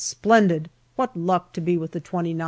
Splendid ! What luck to be with the 2Qth